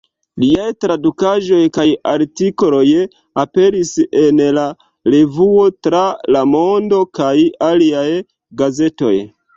Liaj tradukaĵoj kaj artikoloj aperis en "La Revuo, Tra la Mondo" kaj aliaj gazetoj.